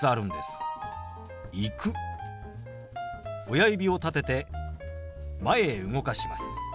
親指を立てて前へ動かします。